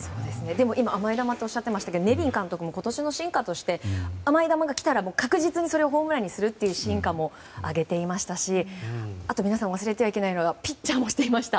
でも今、甘い球っておっしゃってましたけどネビン監督も今年の進化として甘い球が来たら確実にホームランにするというシーンも挙げていましたし皆さん、忘れてはいけないのがピッチャーもしていました。